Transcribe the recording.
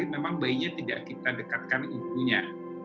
memang bayinya tidak kita dekatkan ibunya